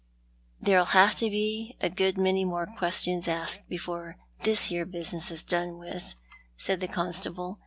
" There'll have to be a good many more questions asked before this here business is done with," said the constable.